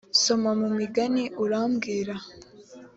soma mumigani urambwira.